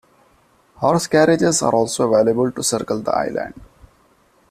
Horse carriages are also available to circle the island.